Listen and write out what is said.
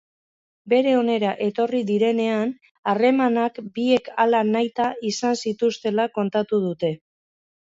Bere onera etorri direnean, harremanak biek hala nahita izan zituztela kontatu dute.